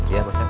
iya pak ustad